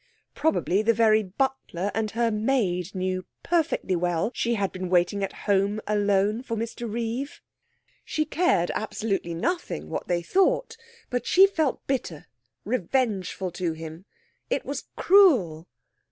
Probably the very butler and her maid knew perfectly well she had been waiting at home alone for Mr Reeve. She cared absolutely nothing what they thought; but she felt bitter, revengeful to him. It was cruel.